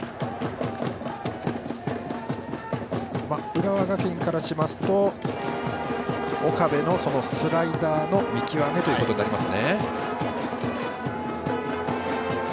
浦和学院からしますと岡部のスライダーの見極めということになります。